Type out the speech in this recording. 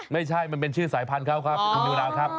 ไม่ใช่มันเป็นชื่อสายพันธุ์ครับคุณนิวนาวครับ